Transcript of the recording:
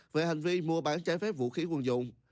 về hành vi mua bán trái phép vũ khí quân dụng